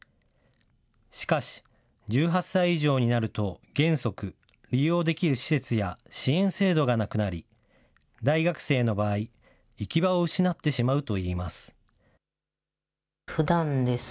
しかし、１８歳以上になると、原則、利用できる施設や支援制度がなくなり、大学生の場合、行き場を失ってしまうといいます。